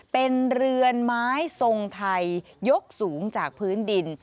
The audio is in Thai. เป็นเรือนไม้ทรงไทยยกสูงจากพื้นดิน